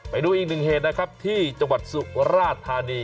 ไปดูอีกหนึ่งเหตุนะครับที่จังหวัดสุราธานี